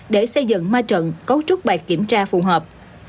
để xây dựng ma trận cấu trúc bài kiểm tra phù hợp